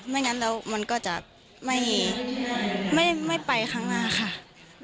ไม่งั้นแล้วมันก็จะไม่ไปครั้งหน้าค่ะ